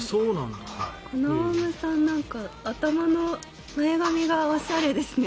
このオウムさん頭の前髪がおしゃれですね。